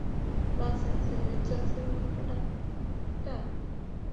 Loss এঞ্জেলসের ওই ঘটনাটা?